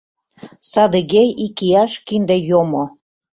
Садыге икияш кинде йомо.